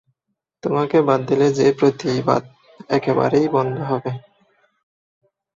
তোমাকে বাদ দিলে যে বাদপ্রতিবাদ একেবারেই বন্ধ হবে।